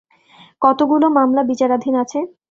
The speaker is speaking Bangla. কতগুলো মামলা বিচারাধীন আছে?